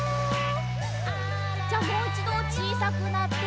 じゃあもういちどちいさくなって。